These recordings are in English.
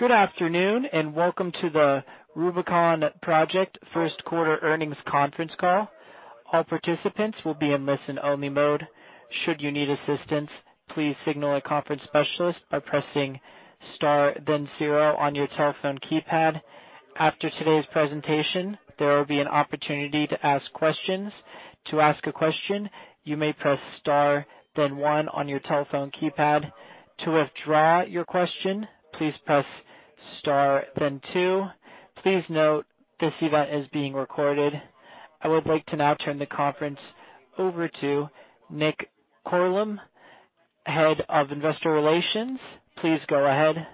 Good afternoon. Welcome to the Rubicon Project first quarter earnings conference call. All participants will be in listen only mode. Should you need assistance, please signal a conference specialist by pressing star then zero on your telephone keypad. After today's presentation, there will be an opportunity to ask questions. To ask a question, you may press star, then one on your telephone keypad. To withdraw your question, please press star then two. Please note this event is being recorded. I would like to now turn the conference over to Nick Kormeluk, Head of Investor Relations. Please go ahead.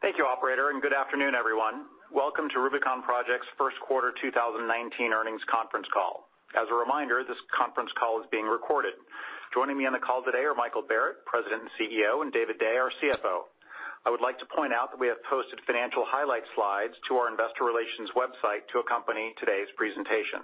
Thank you operator. Good afternoon, everyone. Welcome to Rubicon Project's first quarter 2019 earnings conference call. As a reminder, this conference call is being recorded. Joining me on the call today are Michael Barrett, President and CEO, and David Day, our CFO. I would like to point out that we have posted financial highlight slides to our investor relations website to accompany today's presentation.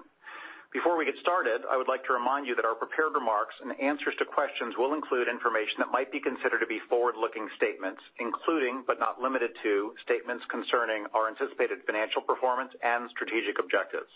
Before we get started, I would like to remind you that our prepared remarks and answers to questions will include information that might be considered to be forward-looking statements, including, but not limited to, statements concerning our anticipated financial performance and strategic objectives.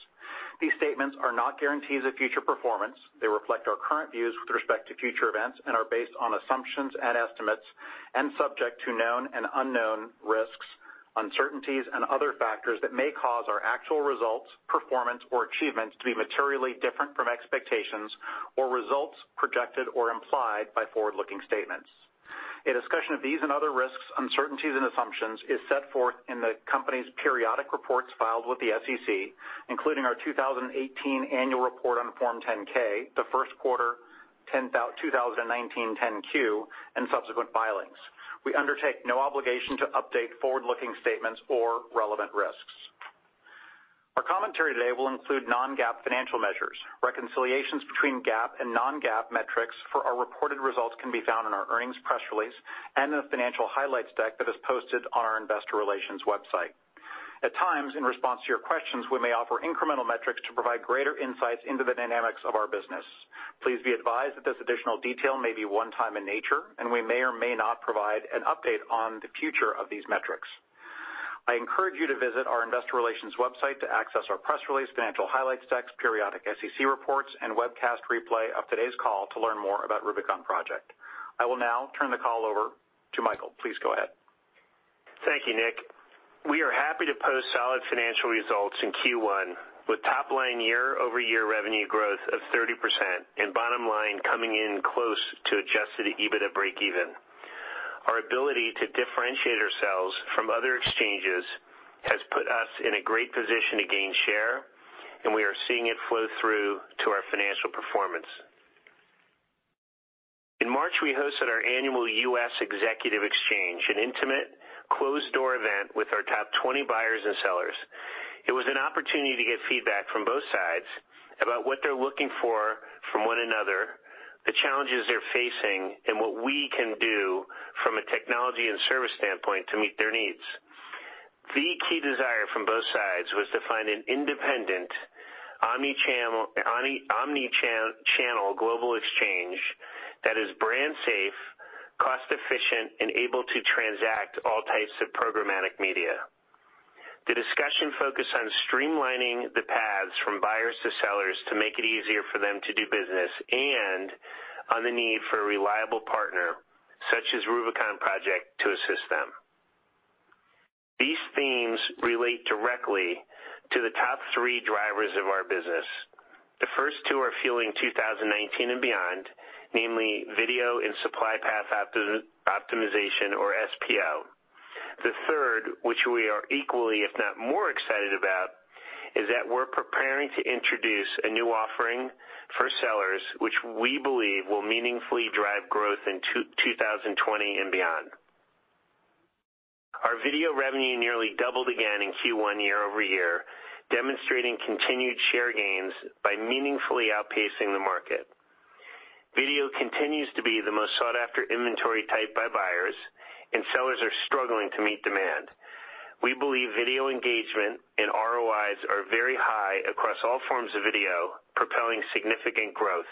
These statements are not guarantees of future performance. They reflect our current views with respect to future events and are based on assumptions and estimates and subject to known and unknown risks, uncertainties, and other factors that may cause our actual results, performance, or achievements to be materially different from expectations or results projected or implied by forward-looking statements. A discussion of these and other risks, uncertainties, and assumptions is set forth in the company's periodic reports filed with the SEC, including our 2018 annual report on Form 10-K, the first quarter 2019 10-Q, and subsequent filings. We undertake no obligation to update forward-looking statements or relevant risks. Our commentary today will include non-GAAP financial measures. Reconciliations between GAAP and non-GAAP metrics for our reported results can be found in our earnings press release and in the financial highlights deck that is posted on our investor relations website. At times, in response to your questions, we may offer incremental metrics to provide greater insights into the dynamics of our business. Please be advised that this additional detail may be one time in nature, and we may or may not provide an update on the future of these metrics. I encourage you to visit our investor relations website to access our press release, financial highlights decks, periodic SEC reports, and webcast replay of today's call to learn more about Rubicon Project. I will now turn the call over to Michael. Please go ahead. Thank you, Nick. We are happy to post solid financial results in Q1 with top-line year-over-year revenue growth of 30% and bottom line coming in close to adjusted EBITDA breakeven. Our ability to differentiate ourselves from other exchanges has put us in a great position to gain share, and we are seeing it flow through to our financial performance. In March, we hosted our annual U.S. executive exchange, an intimate closed-door event with our top 20 buyers and sellers. It was an opportunity to get feedback from both sides about what they're looking for from one another, the challenges they're facing, and what we can do from a technology and service standpoint to meet their needs. The key desire from both sides was to find an independent omnichannel global exchange that is brand safe, cost efficient, and able to transact all types of programmatic media. The discussion focused on streamlining the paths from buyers to sellers to make it easier for them to do business and on the need for a reliable partner such as Rubicon Project to assist them. These themes relate directly to the top three drivers of our business. The first two are fueling 2019 and beyond, namely video and supply path optimization or SPO. The third, which we are equally, if not more excited about, is that we're preparing to introduce a new offering for sellers, which we believe will meaningfully drive growth in 2020 and beyond. Our video revenue nearly doubled again in Q1 year-over-year, demonstrating continued share gains by meaningfully outpacing the market. Video continues to be the most sought-after inventory type by buyers, and sellers are struggling to meet demand. We believe video engagement and ROIs are very high across all forms of video, propelling significant growth,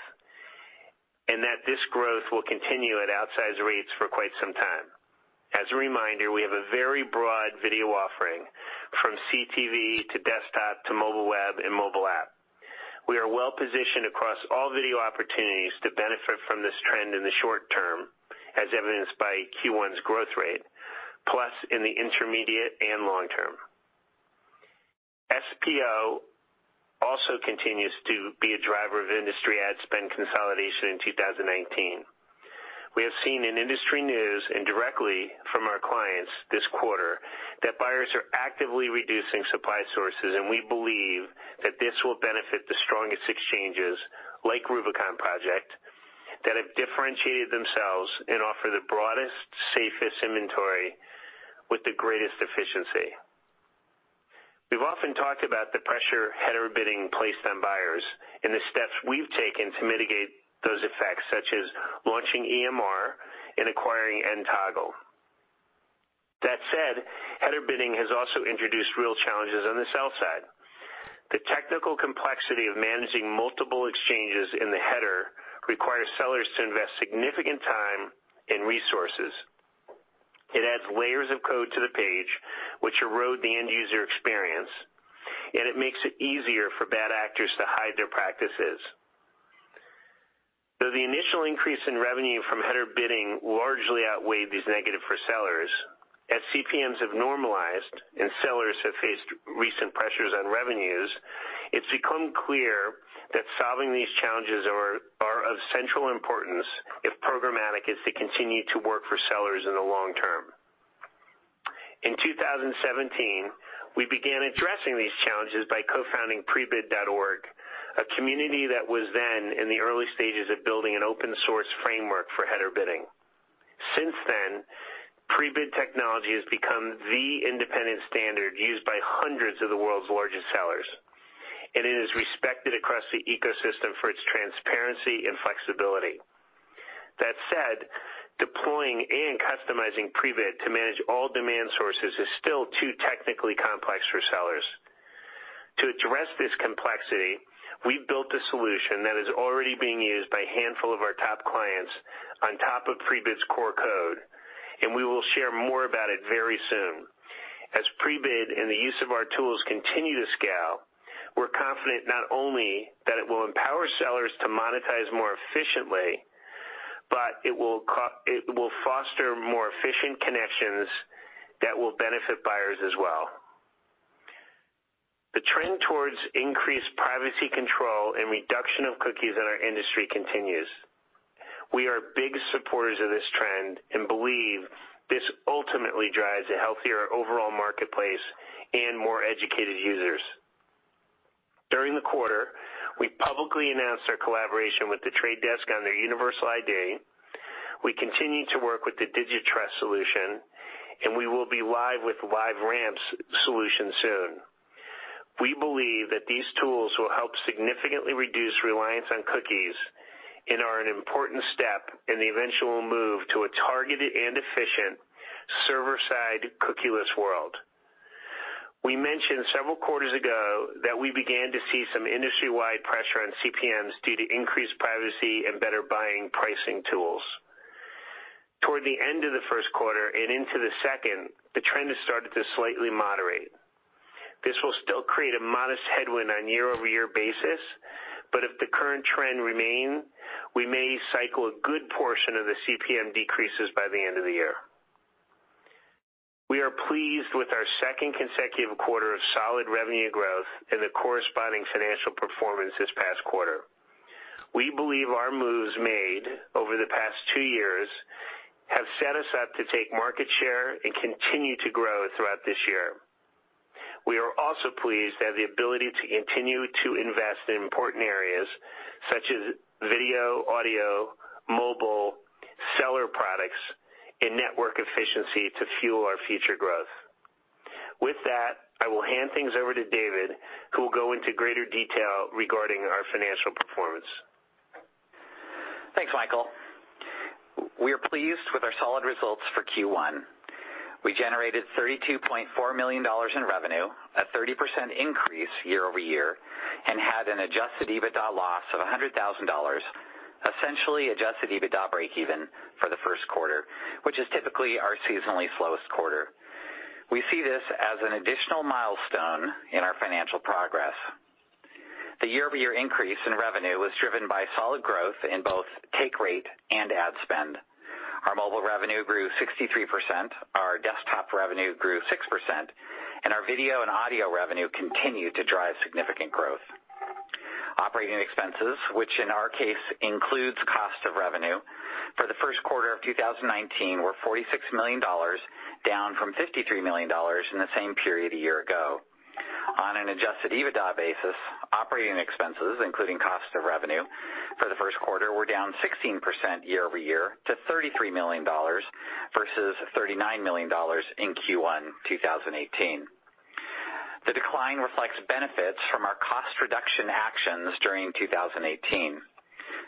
and that this growth will continue at outsized rates for quite some time. As a reminder, we have a very broad video offering from CTV to desktop to mobile web and mobile app. We are well positioned across all video opportunities to benefit from this trend in the short term, as evidenced by Q1's growth rate, plus in the intermediate and long term. SPO also continues to be a driver of industry ad spend consolidation in 2019. We have seen in industry news and directly from our clients this quarter that buyers are actively reducing supply sources, and we believe that this will benefit the strongest exchanges like Rubicon Project that have differentiated themselves and offer the broadest, safest inventory with the greatest efficiency. We've often talked about the pressure header bidding placed on buyers and the steps we've taken to mitigate those effects, such as launching EMR and acquiring nToggle. That said, header bidding has also introduced real challenges on the sell side. The technical complexity of managing multiple exchanges in the header requires sellers to invest significant time and resources. It adds layers of code to the page, which erode the end-user experience, and it makes it easier for bad actors to hide their practices. Though the initial increase in revenue from header bidding largely outweighed these negative for sellers, as CPMs have normalized and sellers have faced recent pressures on revenues, it's become clear that solving these challenges are of central importance if programmatic is to continue to work for sellers in the long term. In 2017, we began addressing these challenges by co-founding Prebid.org, a community that was then in the early stages of building an open-source framework for header bidding. Since then, Prebid technology has become the independent standard used by hundreds of the world's largest sellers. It is respected across the ecosystem for its transparency and flexibility. That said, deploying and customizing Prebid to manage all demand sources is still too technically complex for sellers. To address this complexity, we've built a solution that is already being used by a handful of our top clients on top of Prebid's core code, and we will share more about it very soon. As Prebid and the use of our tools continue to scale, we're confident not only that it will empower sellers to monetize more efficiently, but it will foster more efficient connections that will benefit buyers as well. The trend towards increased privacy control and reduction of cookies in our industry continues. We are big supporters of this trend and believe this ultimately drives a healthier overall marketplace and more educated users. During the quarter, we publicly announced our collaboration with The Trade Desk on their Universal ID. We continue to work with the DigiTrust solution, and we will be live with LiveRamp's solution soon. We believe that these tools will help significantly reduce reliance on cookies and are an important step in the eventual move to a targeted and efficient server-side cookieless world. We mentioned several quarters ago that we began to see some industry-wide pressure on CPMs due to increased privacy and better buying pricing tools. Toward the end of the first quarter and into the second, the trend has started to slightly moderate. This will still create a modest headwind on a year-over-year basis, but if the current trend remains, we may cycle a good portion of the CPM decreases by the end of the year. We are pleased with our second consecutive quarter of solid revenue growth and the corresponding financial performance this past quarter. We believe our moves made over the past two years have set us up to take market share and continue to grow throughout this year. We are also pleased to have the ability to continue to invest in important areas such as video, audio, mobile, seller products, and network efficiency to fuel our future growth. With that, I will hand things over to David, who will go into greater detail regarding our financial performance. Thanks, Michael. We are pleased with our solid results for Q1. We generated $32.4 million in revenue, a 30% increase year-over-year, and had an adjusted EBITDA loss of $100,000, essentially adjusted EBITDA breakeven for the first quarter, which is typically our seasonally slowest quarter. We see this as an additional milestone in our financial progress. The year-over-year increase in revenue was driven by solid growth in both take rate and ad spend. Our mobile revenue grew 63%, our desktop revenue grew 6%, and our video and audio revenue continued to drive significant growth. Operating expenses, which in our case includes cost of revenue, for the first quarter of 2019 were $46 million, down from $53 million in the same period a year ago. On an adjusted EBITDA basis, operating expenses, including cost of revenue, for the first quarter were down 16% year-over-year to $33 million versus $39 million in Q1 2018. The decline reflects benefits from our cost reduction actions during 2018.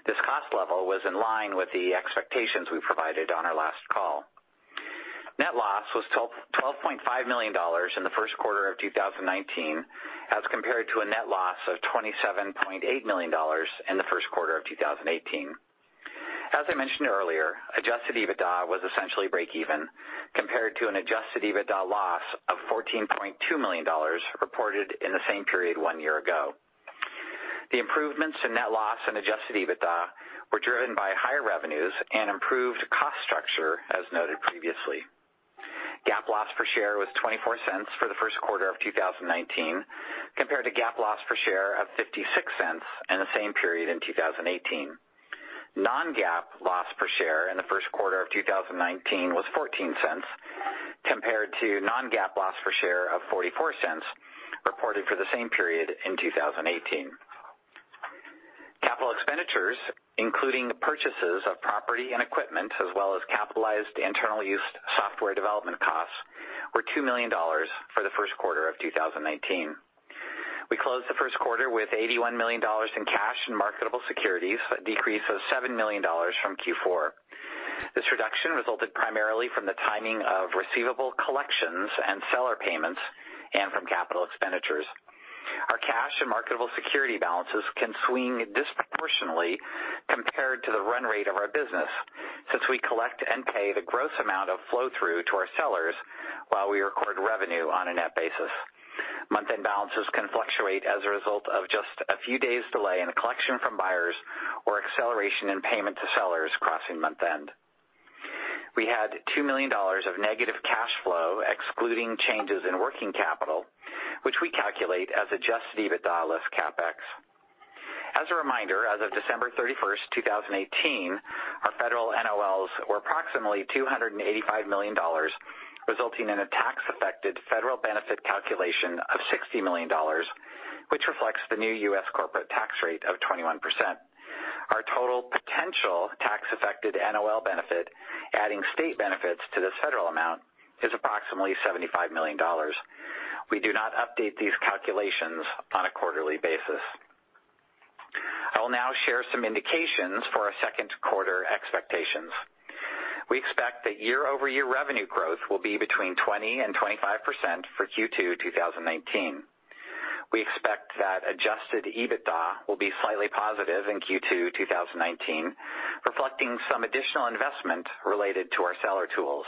This cost level was in line with the expectations we provided on our last call. Net loss was $12.5 million in the first quarter of 2019 as compared to a net loss of $27.8 million in the first quarter of 2018. As I mentioned earlier, adjusted EBITDA was essentially breakeven compared to an adjusted EBITDA loss of $14.2 million reported in the same period one year ago. The improvements in net loss and adjusted EBITDA were driven by higher revenues and improved cost structure as noted previously. GAAP loss per share was $0.24 for the first quarter of 2019 compared to GAAP loss per share of $0.56 in the same period in 2018. Non-GAAP loss per share in the first quarter of 2019 was $0.14 compared to non-GAAP loss per share of $0.44 reported for the same period in 2018. Capital expenditures, including purchases of property and equipment as well as capitalized internally used software development costs were $2 million for the first quarter of 2019. We closed the first quarter with $81 million in cash and marketable securities, a decrease of $7 million from Q4. This reduction resulted primarily from the timing of receivable collections and seller payments and from capital expenditures. Our cash and marketable security balances can swing disproportionately compared to the run rate of our business, since we collect and pay the gross amount of flow-through to our sellers while we record revenue on a net basis. Month-end balances can fluctuate as a result of just a few days' delay in a collection from buyers or acceleration in payment to sellers crossing month-end. We had $2 million of negative cash flow, excluding changes in working capital, which we calculate as adjusted EBITDA less CapEx. As a reminder, as of December 31st, 2018, our federal NOLs were approximately $285 million, resulting in a tax-affected federal benefit calculation of $60 million, which reflects the new U.S. corporate tax rate of 21%. Our total potential tax-affected NOL benefit, adding state benefits to this federal amount, is approximately $75 million. We do not update these calculations on a quarterly basis. I will now share some indications for our second quarter expectations. We expect that year-over-year revenue growth will be between 20%-25% for Q2 2019. We expect that adjusted EBITDA will be slightly positive in Q2 2019, reflecting some additional investment related to our seller tools.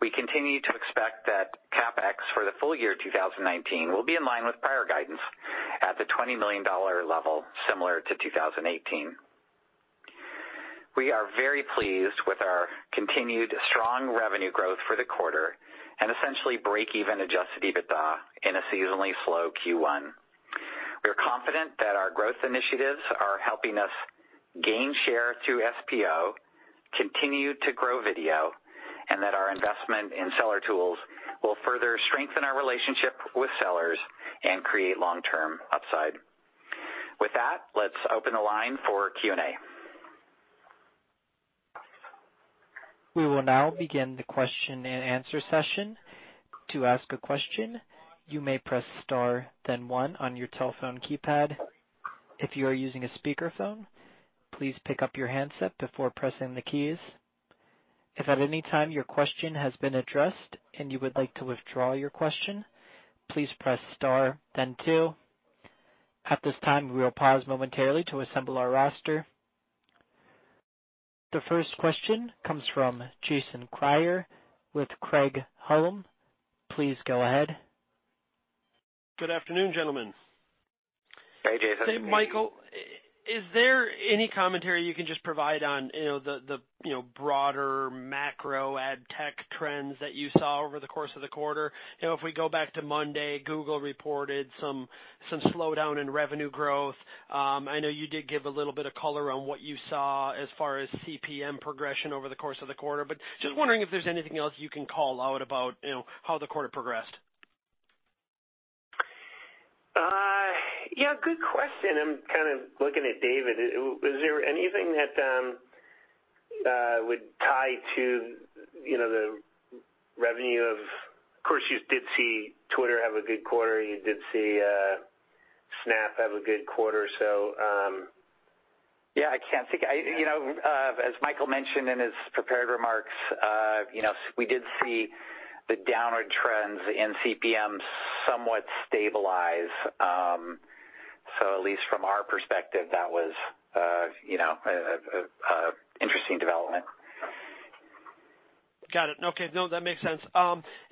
We continue to expect that CapEx for the full year 2019 will be in line with prior guidance at the $20 million level, similar to 2018. We are very pleased with our continued strong revenue growth for the quarter and essentially break-even adjusted EBITDA in a seasonally slow Q1. We are confident that our growth initiatives are helping us gain share through SPO, continue to grow video, and that our investment in seller tools will further strengthen our relationship with sellers and create long-term upside. With that, let's open the line for Q&A. We will now begin the question and answer session. To ask a question, you may press star then one on your telephone keypad. If you are using a speakerphone, please pick up your handset before pressing the keys. If at any time your question has been addressed and you would like to withdraw your question, please press star then two. At this time, we will pause momentarily to assemble our roster. The first question comes from Jason Kreyer with Craig-Hallum. Please go ahead. Good afternoon, gentlemen. Hey, Jason. Hey, Michael. Is there any commentary you can just provide on the broader macro ad tech trends that you saw over the course of the quarter? If we go back to Monday, Google reported some slowdown in revenue growth. I know you did give a little bit of color on what you saw as far as CPM progression over the course of the quarter, but just wondering if there's anything else you can call out about how the quarter progressed. Good question. I'm kind of looking at David. Is there anything that would tie to the revenue of course, you did see Twitter have a good quarter. You did see Snap have a good quarter. I can't think. As Michael mentioned in his prepared remarks, we did see the downward trends in CPM somewhat stabilize. At least from our perspective, that was an interesting development. Got it. Okay. That makes sense.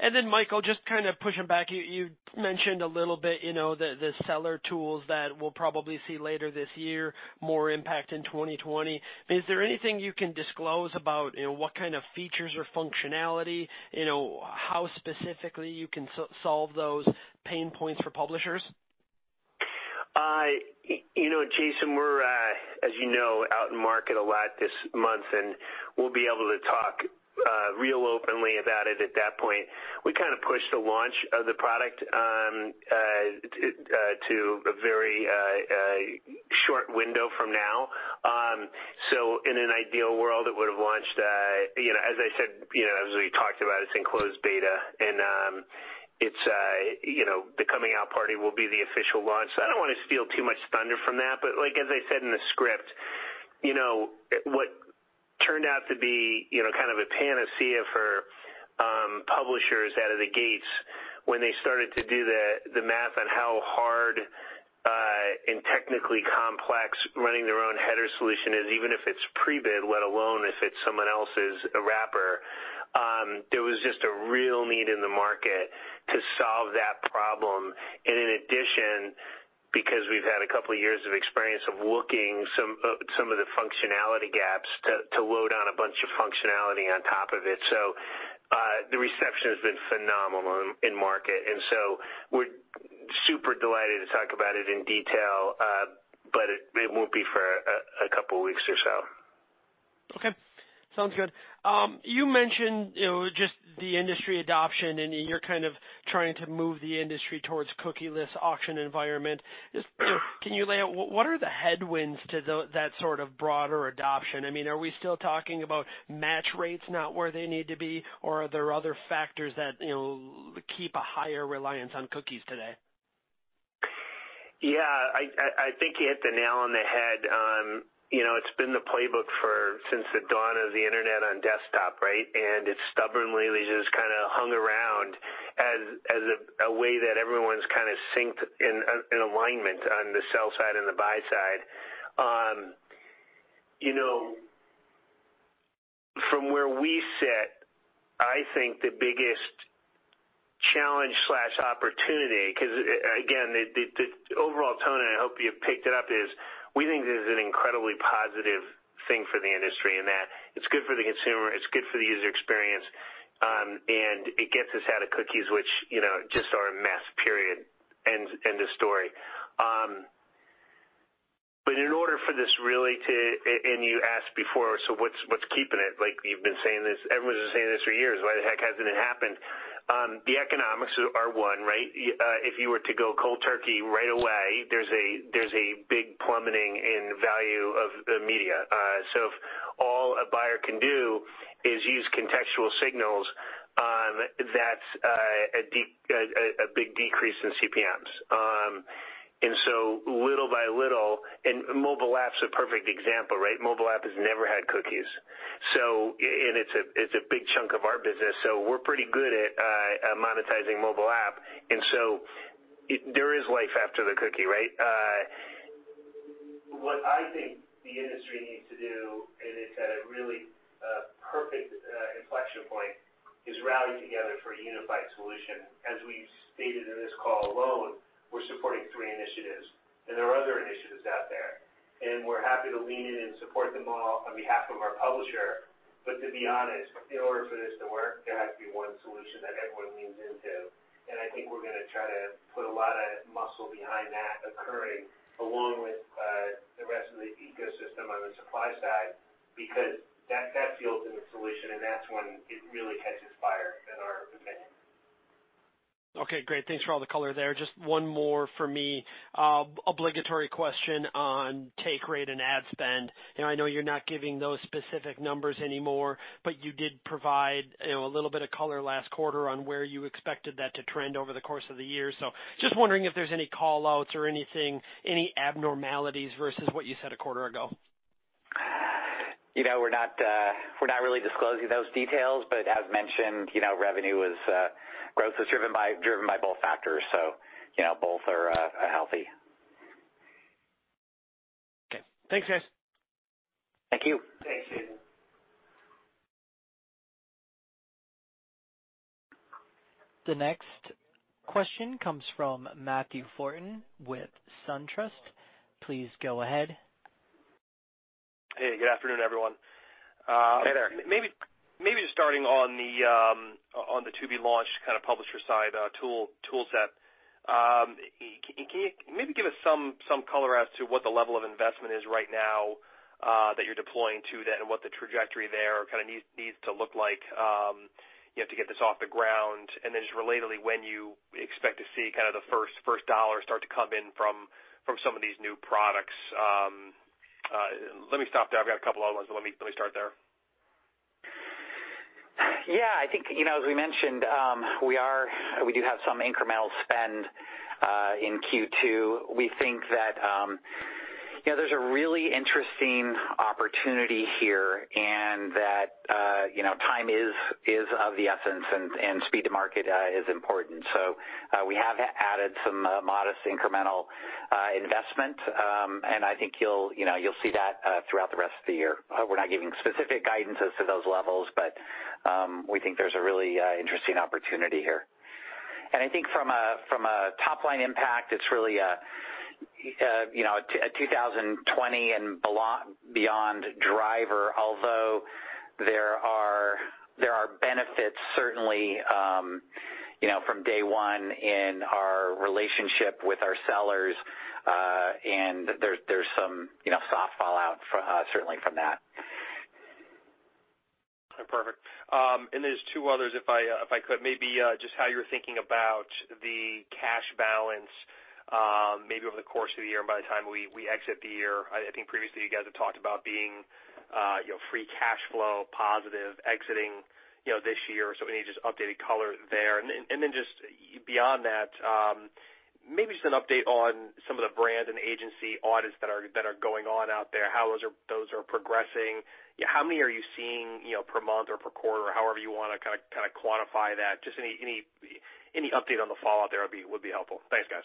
Michael, just kind of pushing back, you mentioned a little bit, the seller tools that we'll probably see later this year, more impact in 2020. Is there anything you can disclose about what kind of features or functionality, how specifically you can solve those pain points for publishers? Jason, we're, as you know, out in market a lot this month, we'll be able to talk really openly about it at that point. We kind of pushed the launch of the product to a very short window from now. In an ideal world, it would've launched, as I said, as we talked about, it's in closed beta, and the coming out party will be the official launch. I don't want to steal too much thunder from that, but as I said in the script, what turned out to be kind of a panacea for publishers out of the gates when they started to do the math on how hard and technically complex running their own header solution is, even if it's Prebid, let alone if it's someone else's wrapper, there was just a real need in the market to solve that problem. In addition, because we've had a couple of years of experience of looking some of the functionality gaps to load on a bunch of functionality on top of it. The reception has been phenomenal in market, we're super delighted to talk about it in detail. It won't be for a couple of weeks or so. Okay, sounds good. You mentioned, just the industry adoption, and you're kind of trying to move the industry towards cookieless auction environment. Can you lay out what are the headwinds to that sort of broader adoption? Are we still talking about match rates not where they need to be, or are there other factors that keep a higher reliance on cookies today? Yeah, I think you hit the nail on the head. It's been the playbook since the dawn of the Internet on desktop. It stubbornly just kind of hung around as a way that everyone's kind of synced in alignment on the sell side and the buy side. From where we sit, I think the biggest challenge/opportunity, because, again, the overall tone, and I hope you've picked it up, is we think this is an incredibly positive thing for the industry in that it's good for the consumer, it's good for the user experience, and it gets us out of cookies, which just are a mess, period. End of story. In order for this really to-- and you asked before, what's keeping it? Everyone's been saying this for years. Why the heck hasn't it happened? The economics are one. If you were to go cold turkey right away, there's a big plummeting in value of the media. If all a buyer can do is use contextual signals, that's a big decrease in CPMs. Little by little, and mobile app's a perfect example. Mobile app has never had cookies. It's a big chunk of our business, so we're pretty good at monetizing mobile app. There is life after the cookie. What I think the industry needs to do, and it's at a really perfect inflection point, is rally together for a unified solution. As we've stated in this call alone, we're supporting three initiatives, and there are other initiatives out there. We're happy to lean in and support them all on behalf of our publisher. To be honest, in order for this to work, there has to be one solution that everyone leans into. I think we're going to try to put a lot of muscle behind that occurring along with the rest of the ecosystem on the supply side, because that seals in the solution, and that's when it really catches fire, in our opinion. Okay, great. Thanks for all the color there. Just one more from me. Obligatory question on take rate and ad spend. I know you're not giving those specific numbers anymore, but you did provide a little bit of color last quarter on where you expected that to trend over the course of the year. Just wondering if there's any call-outs or anything, any abnormalities versus what you said a quarter ago. We're not really disclosing those details, but as mentioned, revenue growth is driven by both factors, so both are healthy. Okay. Thanks, guys. Thank you. Thanks, Jason. The next question comes from Matthew Thornton with SunTrust. Please go ahead. Hey, good afternoon, everyone. Hey there. Maybe just starting on the to-be-launched kind of publisher side tool set. Can you maybe give us some color as to what the level of investment is right now that you're deploying to that and what the trajectory there kind of needs to look like to get this off the ground? Then just relatedly, when you expect to see kind of the first $1 start to come in from some of these new products? Let me stop there. I've got a couple of other ones, but let me start there. I think, as we mentioned, we do have some incremental spend in Q2. We think that there's a really interesting opportunity here, and that time is of the essence and speed to market is important. We have added some modest incremental investment, and I think you'll see that throughout the rest of the year. We're not giving specific guidance as to those levels, but we think there's a really interesting opportunity here. I think from a top-line impact, it's really a 2020 and beyond driver, although there are benefits certainly, from day one in our relationship with our sellers. There's some soft fallout certainly from that. Perfect. There's two others, if I could. Maybe just how you're thinking about the cash balance, maybe over the course of the year and by the time we exit the year. I think previously you guys have talked about being free cash flow positive exiting this year or so. Any just updated color there? Then just beyond that, maybe just an update on some of the brand and agency audits that are going on out there, how those are progressing. How many are you seeing per month or per quarter or however you want to kind of quantify that? Just any update on the fallout there would be helpful. Thanks, guys.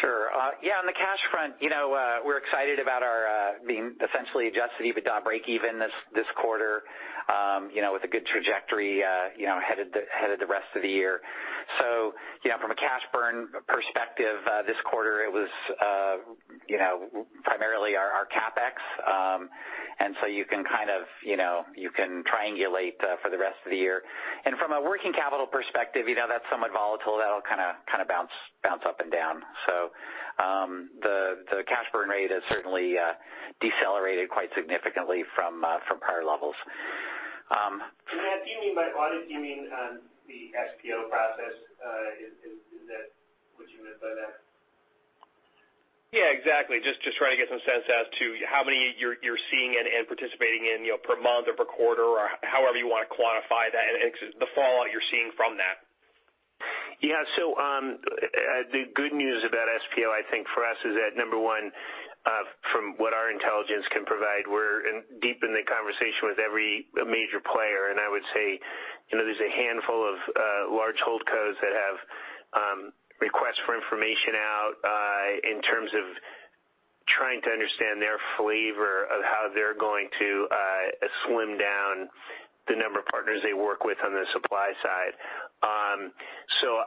Sure. On the cash front, we're excited about our being essentially adjusted EBITDA breakeven this quarter, with a good trajectory headed the rest of the year. From a cash burn perspective, this quarter, it was primarily our CapEx. You can triangulate for the rest of the year. From a working capital perspective, that's somewhat volatile. That'll kind of bounce up and down. The cash burn rate has certainly decelerated quite significantly from prior levels. Matt, do you mean by audit, do you mean the SPO process? Is that what you meant by that? Yeah, exactly. Just trying to get some sense as to how many you're seeing and participating in per month or per quarter or however you want to quantify that, and the fallout you're seeing from that. Yeah. The good news about SPO, I think, for us is that number one, from what our intelligence can provide, we're deep in the conversation with every major player. I would say, there's a handful of large holdcos that have requests for information out, in terms of trying to understand their flavor of how they're going to slim down the number of partners they work with on the supply side.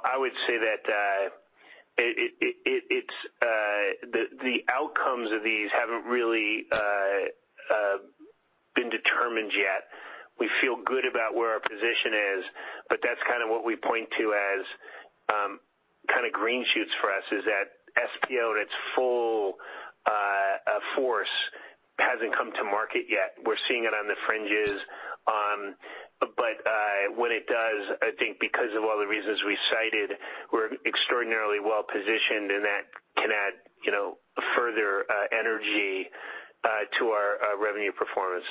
I would say that the outcomes of these haven't really been determined yet. We feel good about where our position is, that's kind of what we point to as kind of green shoots for us, is that SPO in its full force hasn't come to market yet. We're seeing it on the fringes. When it does, I think because of all the reasons we cited, we're extraordinarily well-positioned, and that can add further energy to our revenue performance.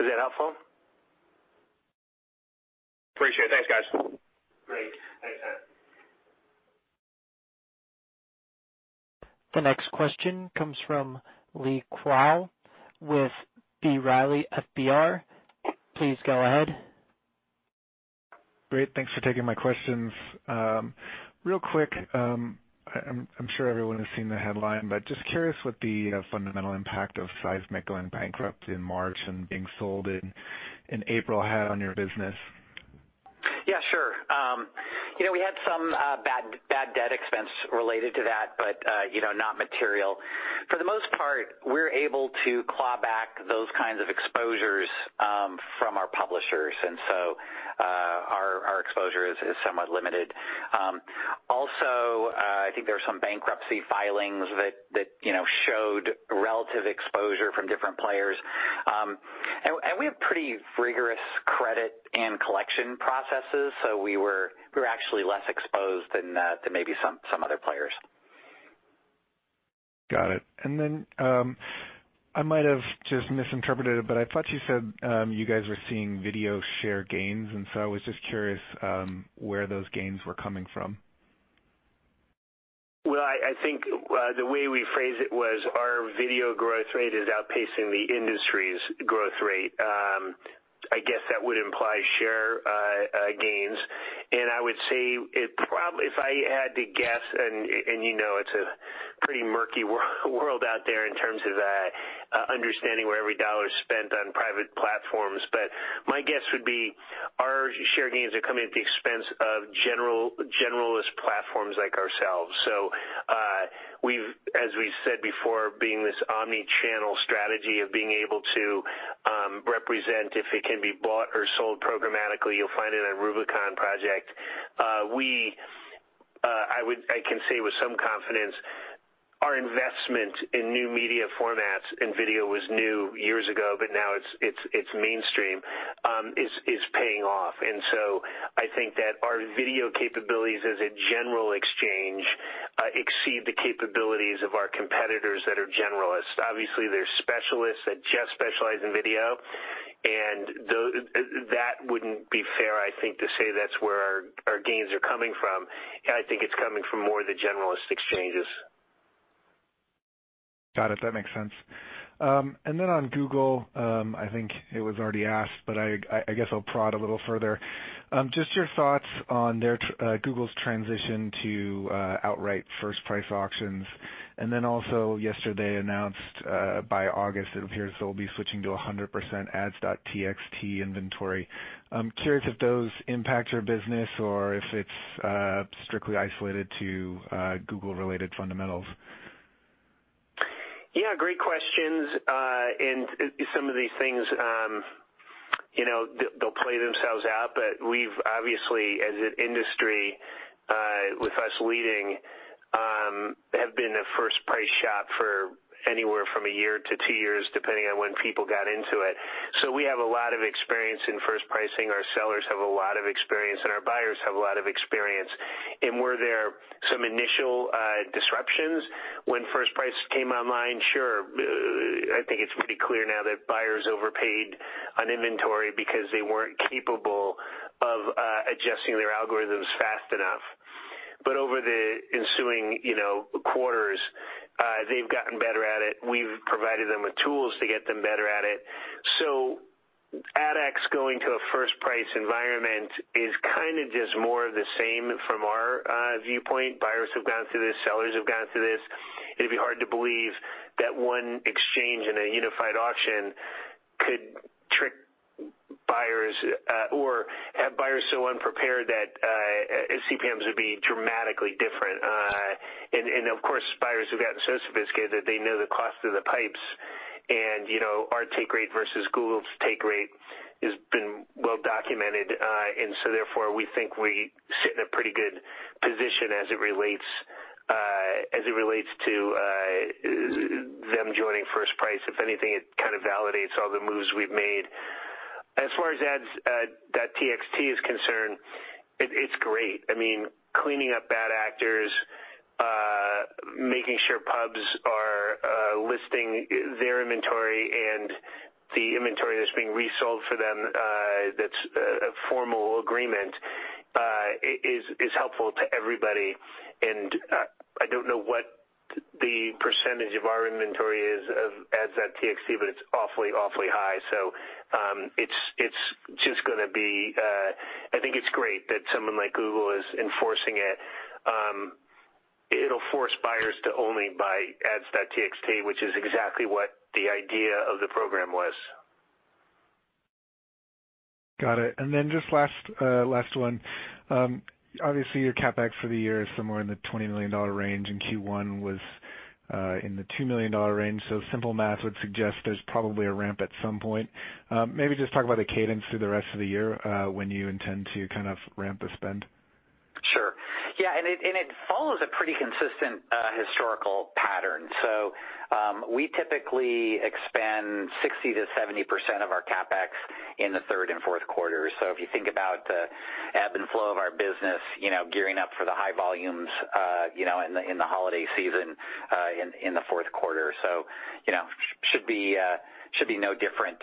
Is that helpful? Appreciate it. Thanks, guys. Great. Thanks, Matt. The next question comes from Lee Krowl with B. Riley FBR. Please go ahead. Great. Thanks for taking my questions. Real quick, I'm sure everyone has seen the headline, just curious what the fundamental impact of Sizmek going bankrupt in March and being sold in April had on your business. Yeah, sure. We had some bad debt expense related to that, but not material. For the most part, we are able to claw back those kinds of exposures from our publishers. Our exposure is somewhat limited. Also, I think there were some bankruptcy filings that showed relative exposure from different players. We have pretty rigorous credit and collection processes, so we were actually less exposed than maybe some other players. Got it. I might have just misinterpreted it, but I thought you said you guys were seeing video share gains, so I was just curious where those gains were coming from. Well, I think the way we phrased it was our video growth rate is outpacing the industry's growth rate. I guess that would imply share gains. I would say it probably, if I had to guess, and you know it's a pretty murky world out there in terms of understanding where every dollar is spent on private platforms, but my guess would be our share gains are coming at the expense of generalist platforms like ourselves. As we have said before, being this omni-channel strategy of being able to represent if it can be bought or sold programmatically, you will find it on Rubicon Project. I can say with some confidence, our investment in new media formats, and video was new years ago, but now it's mainstream, is paying off. I think that our video capabilities as a general exchange exceed the capabilities of our competitors that are generalists. Obviously, there's specialists that just specialize in video, and that wouldn't be fair, I think, to say that's where our gains are coming from. I think it's coming from more the generalist exchanges. Got it. That makes sense. On Google, I think it was already asked, but I guess I'll prod a little further. Just your thoughts on Google's transition to outright first-price auctions, also yesterday announced by August, it appears they'll be switching to 100% ads.txt inventory. I'm curious if those impact your business or if it's strictly isolated to Google-related fundamentals. Yeah. Great questions. Some of these things they'll play themselves out, but we've obviously, as an industry with us leading, have been a first-price shop for anywhere from a year to two years, depending on when people got into it. We have a lot of experience in first pricing. Our sellers have a lot of experience, and our buyers have a lot of experience. Were there some initial disruptions when first-price came online? Sure. I think it's pretty clear now that buyers overpaid on inventory because they weren't capable of adjusting their algorithms fast enough. Over the ensuing quarters, they've gotten better at it. We've provided them with tools to get them better at it. AdX going to a first-price environment is kind of just more of the same from our viewpoint. Buyers have gone through this, sellers have gone through this. It'd be hard to believe that one exchange in a unified auction could trick buyers or have buyers so unprepared that CPMs would be dramatically different. Of course, buyers have gotten so sophisticated that they know the cost through the pipes. Our take rate versus Google's take rate has been well documented. Therefore, we think we sit in a pretty good position as it relates to them joining first-price. If anything, it kind of validates all the moves we've made. As far as ads.txt is concerned, it's great. Cleaning up bad actors, making sure pubs are listing their inventory and the inventory that's being resold for them, that's a formal agreement, is helpful to everybody. I don't know what the percentage of our inventory is of ads.txt, but it's awfully high. I think it's great that someone like Google is enforcing it. It'll force buyers to only buy ads.txt, which is exactly what the idea of the program was. Got it. Just last one. Obviously, your CapEx for the year is somewhere in the $20 million range, and Q1 was in the $2 million range. Simple math would suggest there's probably a ramp at some point. Maybe just talk about the cadence through the rest of the year, when you intend to kind of ramp the spend. Sure. Yeah, it follows a pretty consistent historical pattern. We typically expend 60%-70% of our CapEx in the third and fourth quarters. If you think about the ebb and flow of our business, gearing up for the high volumes in the holiday season, in the fourth quarter. Should be no different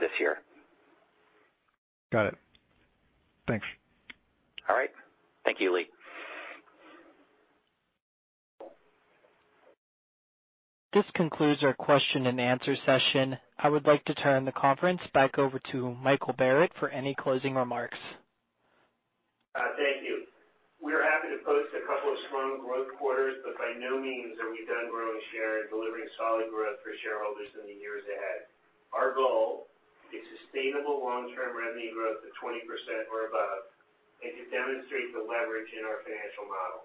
this year. Got it. Thanks. All right. Thank you, Lee. This concludes our question and answer session. I would like to turn the conference back over to Michael Barrett for any closing remarks. Thank you. We are happy to post a couple of strong growth quarters, but by no means are we done growing share and delivering solid growth for shareholders in the years ahead. Our goal is sustainable long-term revenue growth of 20% or above, and to demonstrate the leverage in our financial model.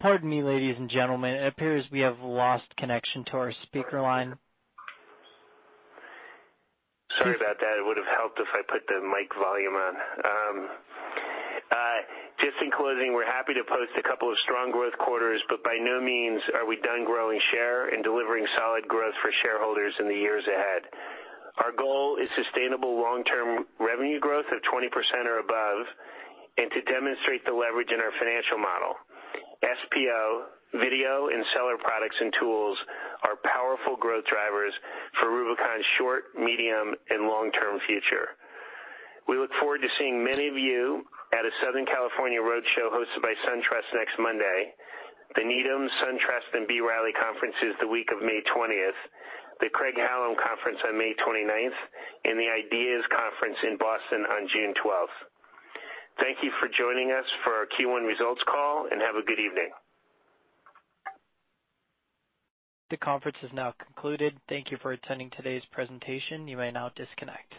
Pardon me, ladies and gentlemen. It appears we have lost connection to our speaker line. Sorry about that. It would've helped if I put the mic volume on. Just in closing, we're happy to post a couple of strong growth quarters, but by no means are we done growing share and delivering solid growth for shareholders in the years ahead. Our goal is sustainable long-term revenue growth of 20% or above, and to demonstrate the leverage in our financial model. SPO, video, and seller products and tools are powerful growth drivers for Rubicon's short, medium, and long-term future. We look forward to seeing many of you at a Southern California road show hosted by SunTrust next Monday; the Needham, SunTrust, and B. Riley conferences the week of May 20th, the Craig-Hallum conference on May 29th, and the Ideas Conference in Boston on June 12th. Thank you for joining us for our Q1 results call, and have a good evening. The conference is now concluded. Thank you for attending today's presentation. You may now disconnect.